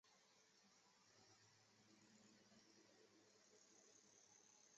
建立可以安身立命的生活空间